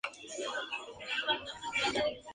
La distribuidora en Estados Unidos es Focus Features.